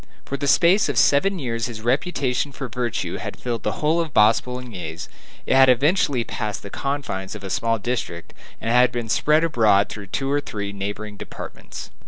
For the space of seven years his reputation for virtue had filled the whole of Bas Boulonnais; it had eventually passed the confines of a small district and had been spread abroad through two or three neighboring departments.